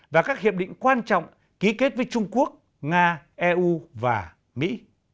và các hiệp định quan trọng ký kết với trung quốc nga eu và mỹ